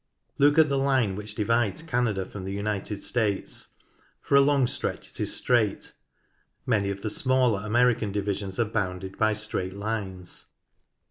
Look at the line which divides Canada from the United States. For a long stretch it is straight. Many of the smaller American divisions are bounded by straight lines.